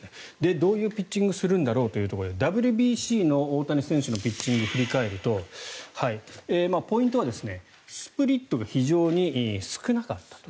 どういうピッチングをするんだろうというところでＷＢＣの大谷選手のピッチングを振り返るとポイントはスプリットが非常に少なかったと。